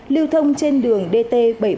lưu thông trên đường dt bảy trăm bốn mươi